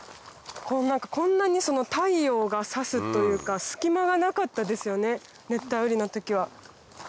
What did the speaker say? こんなに太陽が差すというか隙間がなかったですよね熱帯雨林の時は。